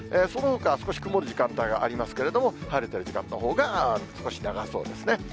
そのほかは少し曇る時間帯がありますけれども、晴れてる時間のほうが少し長そうですね。